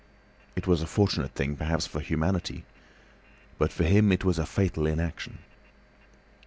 It was a fortunate thing, perhaps, for humanity, but for him it was a fatal inaction.